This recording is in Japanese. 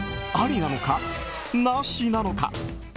ありなのか、なしなのか。